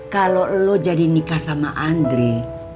kalau lo jadi nikah sama andre